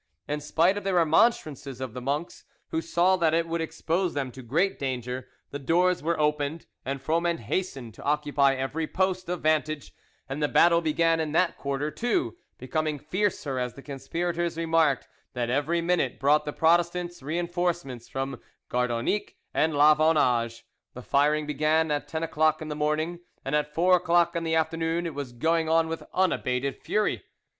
In spite of the remonstrances of the monks, who saw that it would expose them to great danger, the doors were opened, and Froment hastened to occupy every post of vantage, and the battle began in that quarter, too, becoming fiercer as the conspirators remarked that every minute brought the Protestants reinforcements from Gardonninque and La Vaunage. The firing began at ten o'clock in the morning, and at four o'clock in the afternoon it was going on with unabated fury.